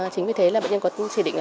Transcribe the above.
chính vì thế là bệnh nhân có chỉ định